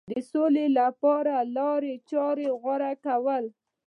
د سولې لپاره لارې چارې غوره کول.